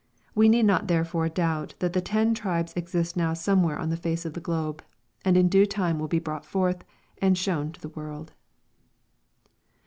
We need not therefore doubt that the ten tribes exist now somewhere on the face of the globe, and in due time will be brought forth and shown to the world.